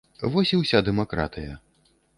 Вось і ўся дэмакратыя.